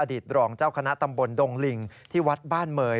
ตรองเจ้าคณะตำบลดงลิงที่วัดบ้านเมย